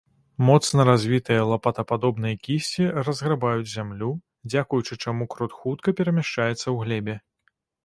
Моцна развітыя лапатападобныя кісці разграбаюць зямлю, дзякуючы чаму крот хутка перамяшчаецца ў глебе.